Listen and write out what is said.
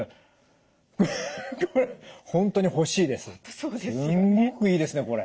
すごくいいですねこれ。